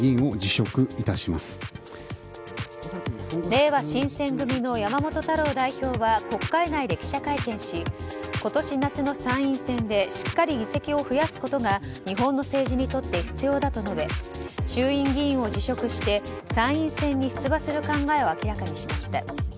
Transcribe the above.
れいわ新選組の山本太郎代表は国会内で記者会見し今年夏の参院選でしっかり議席を増やすことが日本の政治にとって必要だと述べ衆院議員を辞職して参院選に出馬する考えを明らかにしました。